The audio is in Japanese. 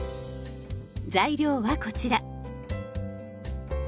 材料はこちら。